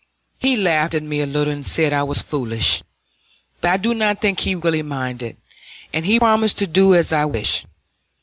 He laughed at me a little and said I was foolish, but I do not think he really minded, and he promised to do as I wished.